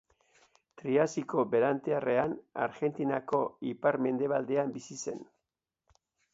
Triasiko Berantiarrean Argentinako ipar-mendebaldean bizi zen.